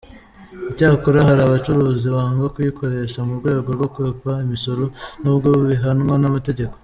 Icyakora hari abacuruzi banga kuyikoresha mu rwego rwo gukwepa imisoro, nubwo bihanwa n’amategeko.